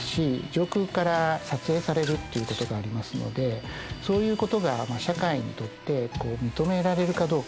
上空から撮影されるということがありますのでそういうことが社会にとって認められるかどうか。